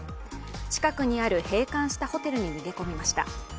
近くにある閉館したホテルに逃げ込みました。